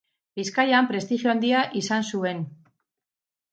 Bizkaian prestigio handia izan zuen.